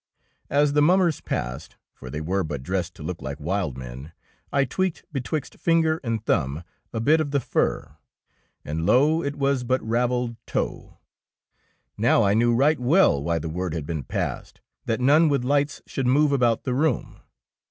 As the mummers passed, for they were but dressed to look like wild men, I tweaked betwixt finger and thumb a bit of the fur, and lo, it was but rav elled tow. Now I knew right well why the word had been passed that none with lights should move about the room.